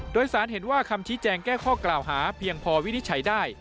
โดยสารเห็นว่าคำชี้แจงแก้ข้อกล่าวหาเพียงพอวินิจฉัยได้